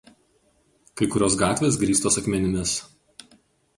Kai kurios gatvės grįstos akmenimis.